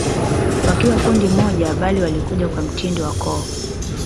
Wakiwa kundi moja bali walikuja kwa mtindo wa koo